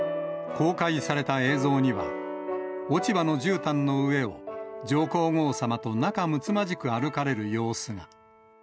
公開された映像には、落ち葉のじゅうたんの上を、上皇后さまと仲むつまじく歩かれる様子が。